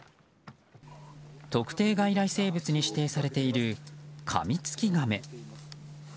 特定外来生物に指定されているカミツキガメ。